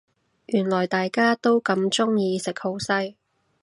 原來大家都咁鍾意食好西